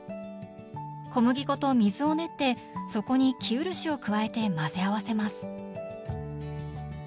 小麦粉と水を練ってそこに生漆を加えて混ぜ合わせます。